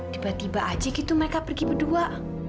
tiba tiba aja gitu mereka pergi berdua